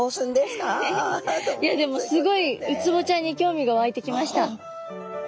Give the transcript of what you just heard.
いやでもすごいウツボちゃんに興味がわいてきました。